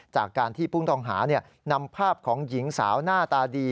จากการที่ผู้ต้องหานำภาพของหญิงสาวหน้าตาดี